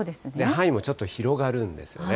範囲もちょっと広がるんですよね。